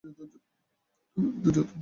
তবে এ পদ্ধতিটি অত্যন্ত ব্যয়বহুল।